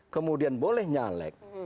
kemudian boleh nyalek